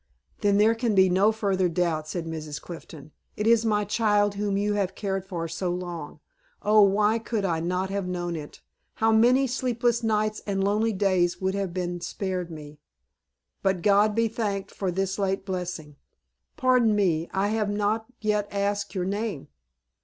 "Then there can be no further doubt," said Mrs. Clifton. "It is my child whom you have cared for so long. Oh, why could I not have known it? How many sleepless nights and lonely days would it have spared me! But God be thanked for this late blessing! Pardon me, I have not yet asked your name."